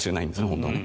本当はね。